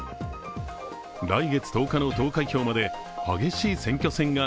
来月１０日の投開票まで激しい選挙戦が